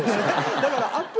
だから。